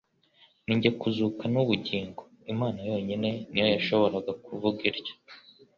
« Ninjye kuzuka n'ubugingo ». Imana yonyine niyo yashoboraga <kuvuga ityo.